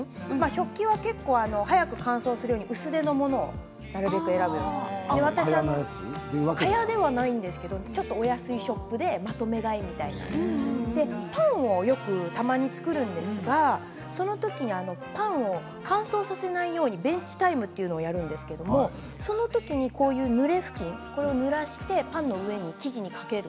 食器は早く乾燥するに薄手のものを選ぶようにして蚊帳ではないんですけれどもちょっとお安いショップでまとめ買いみたいなパンを、たまに作るんですがその時にパンを乾燥させないようにベンチタイムというのをやるんですけれどその時に、ぬれふきんこれをぬらして、パンの生地の上にかける。